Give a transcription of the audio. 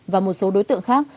và một số đối tượng khác